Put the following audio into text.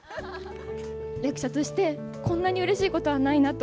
役者として、こんなにうれしいことはないなと。